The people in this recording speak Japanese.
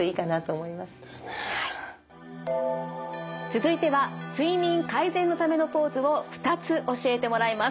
続いては睡眠改善のためのポーズを２つ教えてもらいます。